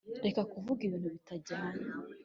reka kuvuga ibintu bitajyanye